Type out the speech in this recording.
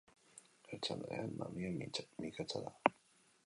Heltzen denean, mamia mikatza da.